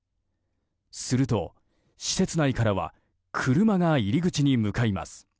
すると、施設内からは車が入り口に向かいます。